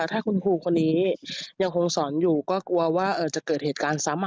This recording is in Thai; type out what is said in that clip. ถ้าคุณครูคนนี้ยังคงสอนอยู่ก็กลัวว่าจะเกิดเหตุการณ์ซ้ำ